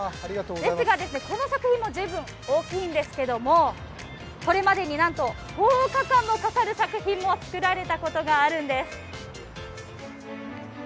ですが、この作品も十分大きいんですけどもこれまでになんと１０日間もかかる作品も作られたことがあるんです。